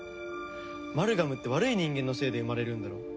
マルガムって悪い人間のせいで生まれるんだろ？